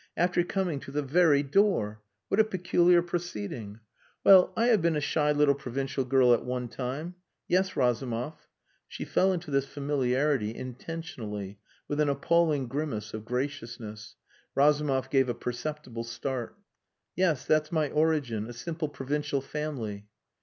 "After coming to the very door! What a peculiar proceeding! Well, I have been a shy little provincial girl at one time. Yes, Razumov" (she fell into this familiarity intentionally, with an appalling grimace of graciousness. Razumov gave a perceptible start), "yes, that's my origin. A simple provincial family.